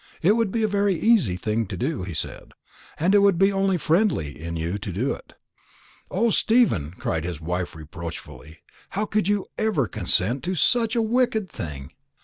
It would be a very easy thing to do,' he said; 'and it would be only friendly in you to do it.'" "O, Stephen!" cried his wife reproachfully, "how could you ever consent to such a wicked thing?"